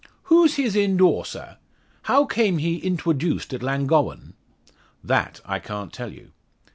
"Who's his endawser? How came he intwoduced at Llangowen?" "That I can't tell you."